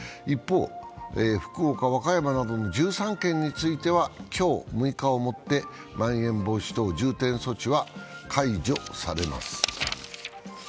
一方、福岡、和歌山などの１３県については今日６日をもってまん延防止等重点措置は解除されます。